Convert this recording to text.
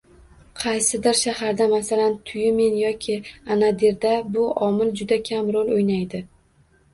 Qaysidir shaharda, masalan, Tyumen yoki Anadirda bu omil juda kam rol oʻynaydi.